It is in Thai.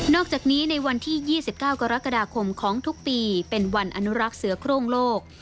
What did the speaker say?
อกจากนี้ในวันที่๒๙กรกฎาคมของทุกปีเป็นวันอนุรักษ์เสือโครงโลก